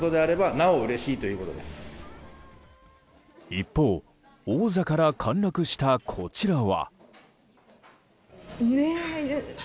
一方、王座から陥落したこちらは。